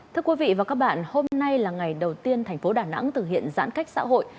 thưa quý vị và các bạn hôm nay là ngày đầu tiên thành phố đà nẵng thực hiện giãn cách xã hội